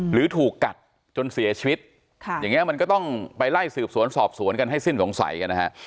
หรือถูกกัดจนเสียชีวิตอย่างนี้มันก็ต้องไปไล่สืบสวนสอบสวนกันให้สิ้นสงสัยกันนะฮะ